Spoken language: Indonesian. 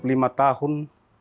selama dua puluh lima tahun